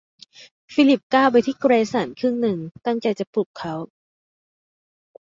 ฟิลิปก้าวไปที่เกรสันครึ่งหนึ่งตั้งใจจะปลุกเขา